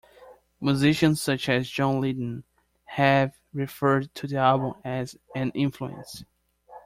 Musicians such as John Lydon have referred to the album as an influence.